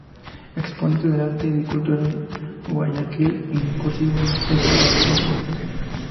Exponente del arte y cultura de Guayaquil, incursionó en la actuación y dirección teatral.